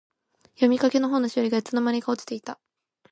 読みかけの本のしおりが、いつの間にか落ちていた。